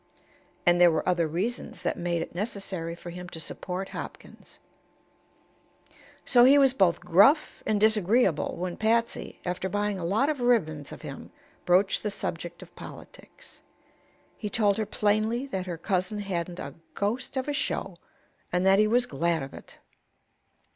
And there were other reasons that made it necessary for him to support Hopkins. So he was both gruff and disagreeable when Patsy, after buying a lot of ribbons of him, broached the subject of politics. He told her plainly that her cousin hadn't a "ghost of a show," and that he was glad of it.